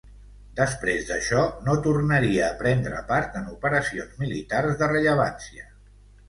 Després d'això, no tornaria a prendre part en operacions militars de rellevància.